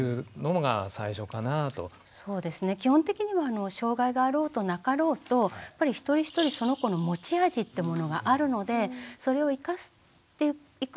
基本的には障害があろうとなかろうとやっぱり一人一人その子の持ち味ってものがあるのでそれを生かしていくことしかないんですよね。